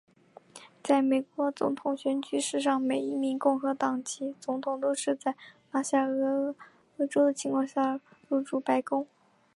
在美国总统选举史上每一名共和党籍总统都是在拿下俄亥俄州的情况下入主白宫。